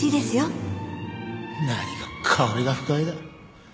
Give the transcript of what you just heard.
何が香りが深いだ。